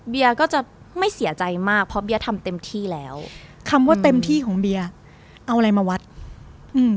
ก็จะไม่เสียใจมากเพราะเบียร์ทำเต็มที่แล้วคำว่าเต็มที่ของเบียร์เอาอะไรมาวัดอืม